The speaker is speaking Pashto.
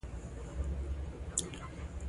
دا ټکي عقلمن انسان د طبیعت سره صمیمانه ژوند پرېښود.